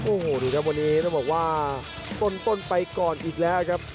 โอ้โหดูครับวันนี้ต้องบอกว่าต้นไปก่อนอีกแล้วครับ